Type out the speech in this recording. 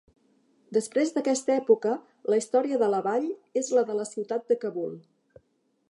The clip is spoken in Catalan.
Després d'aquesta època la història de la vall és la de la ciutat de Kabul.